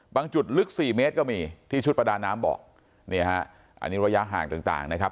บางจุดลึก๔เมตรก็มีที่ชุดประดานน้ำเบาะอันนี้ระยะห่างต่างนะครับ